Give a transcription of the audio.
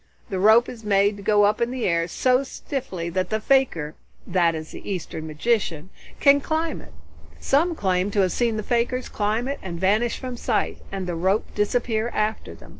The rope is made to go up in the air, so stiffly that the fakir that is, the Eastern magician can climb it. Some claim to have seen the fakirs climb up it and vanish from sight, and the rope disappear after them." Mr.